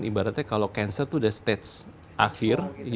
ibaratnya kalau kanker itu sudah stage akhir